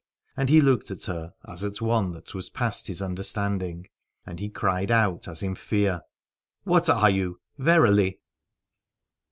And he looked at her as at one that was past his understanding, and he cried out as in fear: What are you verily